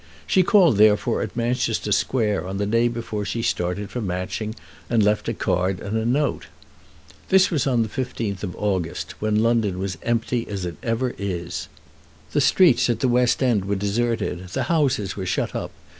She called therefore at Manchester Square on the day before she started for Matching, and left a card and a note. This was on the 15th of August, when London was as empty as it ever is. The streets at the West End were deserted. The houses were shut up.